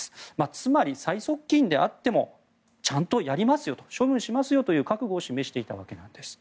つまり、最側近であってもちゃんとやります、処分しますと覚悟を示していたんです。